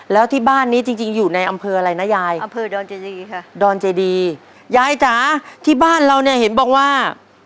แล้วที่บ้านนี้จริงอยู่ในอำเภออะไรนะ